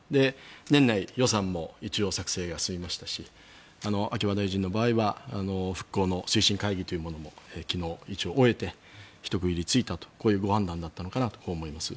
年内、予算も一応、作成が済みましたし秋葉大臣の場合は復興の推進会議というものも昨日、一応、終えてひと区切りついたとこういうご判断だったのかなと思います。